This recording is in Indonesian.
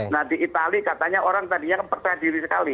nah di itali katanya orang tadinya kan percaya diri sekali